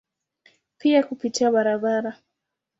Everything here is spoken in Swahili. Pia kupitia barabara.